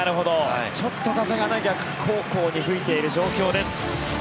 ちょっと風が逆方向に吹いている状況です。